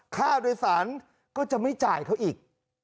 ค่าโดยสารก็จะไม่จ่ายเขาอีก